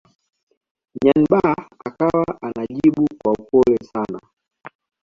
Nyanibah akawa anajibu kwa upole sana